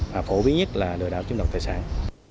và phổ biến nhất là lừa đảo chiếm đoạt tài sản